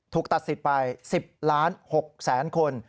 ถูกตัดสิทธิ์ไป๑๐ล้าน๖แสนคน